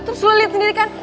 terus lo lihat sendiri kan